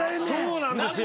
そうなんですよ。